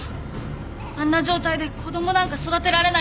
あんな状態で子供なんか育てられないって思ったから。